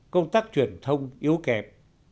công tác truyền thông yếu kẹp